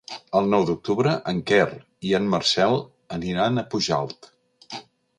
El nou d'octubre en Quer i en Marcel aniran a Pujalt.